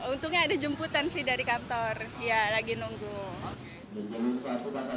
untungnya ada jemputan sih dari kantor ya lagi nunggu